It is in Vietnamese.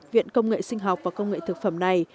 viện công nghệ sinh học và công nghệ thực phẩm này